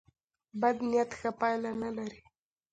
بد نیت ښه پایله نه لري.